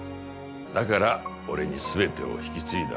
だから俺に全てを引き継いだ